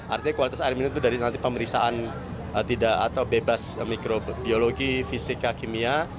artinya kualitas air minum itu dari nanti pemeriksaan tidak atau bebas mikrobiologi fisika kimia